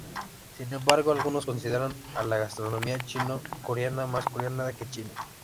Sin embargo, algunos consideran a la gastronomía chino-coreana más coreana que china.